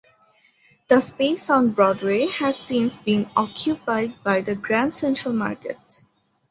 The space on Broadway has since been occupied by the Grand Central Market.